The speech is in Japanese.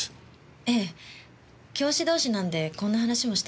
ええ教師同士なんでこんな話もしています。